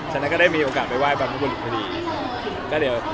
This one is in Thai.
ฉะนั้นก็ได้มีโอกาสไปไห้บรรพบุรุษพอดี